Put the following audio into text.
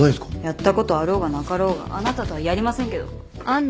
やったことあろうがなかろうがあなたとはやりませんけど。